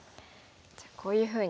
じゃあこういうふうに。